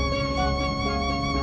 bapak juga begitu